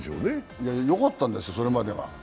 いや、よかったんです、それまでは。